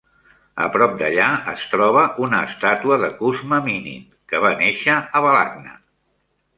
A prop d'allà es troba una estàtua de Kuzma Minin, que va néixer a Balakhna.